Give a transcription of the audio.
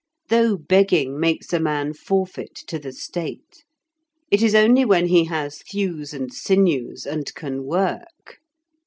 Though begging makes a man forfeit to the State, it is only when he has thews and sinews, and can work.